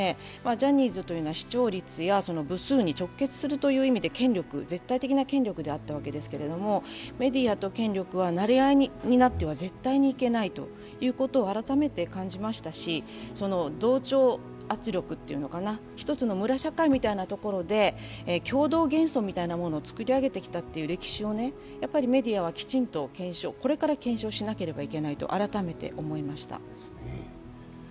ジャニーズというのは視聴率や部数に直結するという意味で絶対的な権力であったわけですけれども、メディアと権力はなれ合いになっては絶対にいけないとうことを改めて感じましたし、同調圧力っていうのかな１つのムラ社会みたいなところで共同幻想みたいなものを作り上げてきたという意味でメディアはこれからきちんと検証しないといけないと思いました。